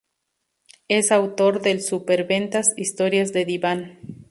Es autor del superventas "Historias de diván".